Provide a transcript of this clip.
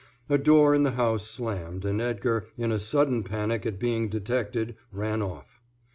A door in the house slammed, and Edgar, in a sudden panic at being detected, ran off.